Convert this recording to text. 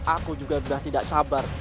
aku juga tidak sabar